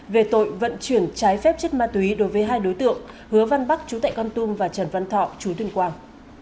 về tội vận chuyển trái phép chất ma túy đối với hai đối tượng hứa văn bắc chú tại con tum và trần văn thọ chú tuyên quang